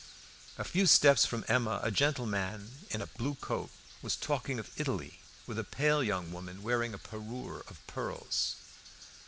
A few steps from Emma a gentleman in a blue coat was talking of Italy with a pale young woman wearing a parure of pearls.